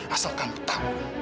asalkan kamu tahu